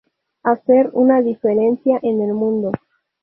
Hacer una diferencia en el mundo.